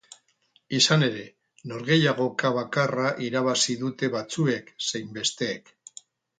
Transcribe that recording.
Izan ere, norgehiagoka bakarra irabazi dute batzuek zein besteek.